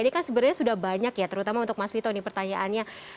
ini kan sebenarnya sudah banyak ya terutama untuk mas vito ini pertanyaannya